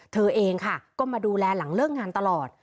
เธอเองค่ะก็มาดูแลหลังเลิกงานตลอด